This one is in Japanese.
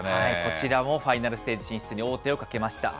こちらもファイナルステージ進出に王手をかけました。